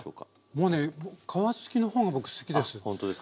もうね皮付きの方が僕好きです。